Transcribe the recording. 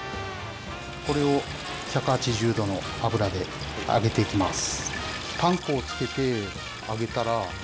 これを１８０℃の油で揚げて行きます。